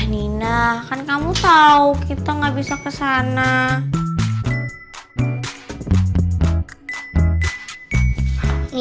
gimana kalau yang satu ini